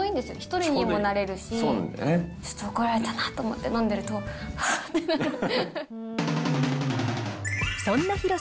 １人にもなれるし、ちょっと怒られたなと思って飲んでると、はぁーってなる。